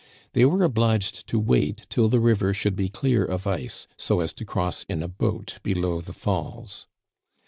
They were obliged to wait till the river should be clear of ice, so as to cross in a boat below the falls.